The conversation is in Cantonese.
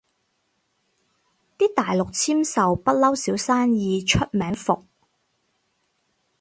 啲大陸簽售不嬲少生意，出名伏